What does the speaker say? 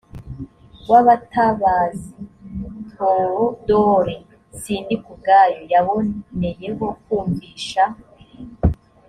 w abatabazi th odore sindikubwabo yaboneyeho kumvisha